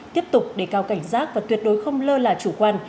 tiếp tục đề cao cảnh giác và tuyệt đối không lơ là chủ quan